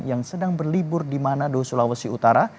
yang sedang berlibur di manado sulawesi utara